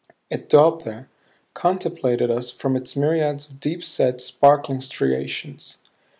It dwelt there; contemplated us from its myriads of deep set, sparkling striations.